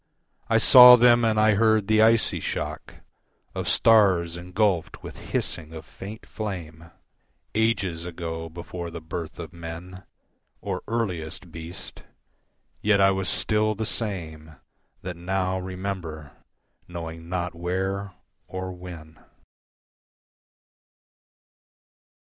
I saw them and I heard the icy shock Of stars engulfed with hissing of faint flame Ages ago before the birth of men Or earliest beast. Yet I was still the same That now remember, knowing not where or when.